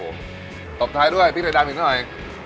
อุ๊ยตบท้ายด้วยพี่ไตรดามอีกหน่อย